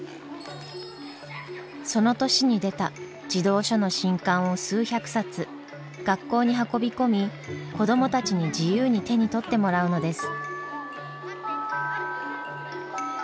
その年に出た児童書の新刊を数百冊学校に運び込み子どもたちに自由に手に取ってもらうのです。